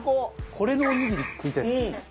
これのおにぎり食いたいっすね。